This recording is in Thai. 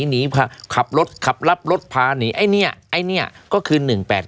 แล้วหนีขับรถขับรับรถพาหนีไอ้เนี่ยก็คือ๑๘๙